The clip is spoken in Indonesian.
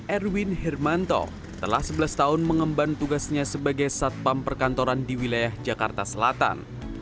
erwin hermanto telah sebelas tahun mengemban tugasnya sebagai satpam perkantoran di wilayah jakarta selatan